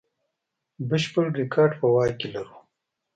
بشپړ ریکارډ په واک کې لرو.